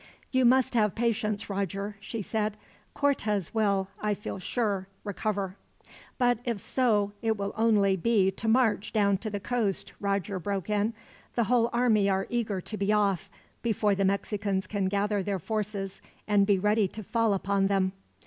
"You must have patience, Roger," she said. "Cortez will, I feel sure, recover." "But if so, it will only be to march down to the coast," Roger broke in. "The whole army are eager to be off, before the Mexicans can gather their forces and be ready to fall upon them."